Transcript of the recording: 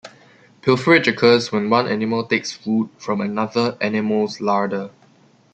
Pilferage occurs when one animal takes food from another animal's larder.